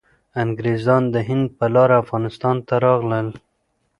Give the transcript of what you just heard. انګریزان د هند په لاره افغانستان ته راغلل.